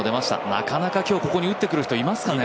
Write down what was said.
なかなか今日ここに打ってくる人いますかね？